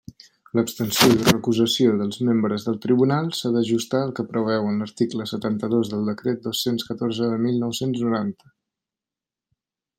L'abstenció i recusació dels membres del Tribunal s'ha d'ajustar al que preveuen l'article setanta-dos del Decret dos-cents catorze de mil nou-cents noranta.